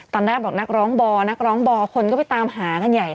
ตอนแรกบอกนักร้องบ่อนักร้องบอคนก็ไปตามหากันใหญ่